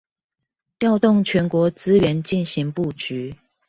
調動全國資源進行布局